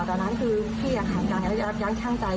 แต่นั้นคือพี่อยากให้ไหวรับเกินทางใจ